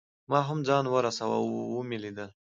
ما هم ځان ورساوه او مې لیده.